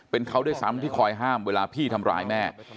เป็นเขาด้วยซ้ำที่คอยห้ามเวลาพี่ทำร้ายแม่